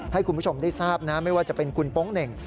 ให้คุณผู้ชมได้ทราบนะไม่ว่าจะเป็นคุณโป๊งเหน่ง